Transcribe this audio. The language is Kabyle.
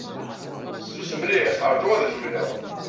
Fessus mliḥ. Ṛju ad ak-mleɣ.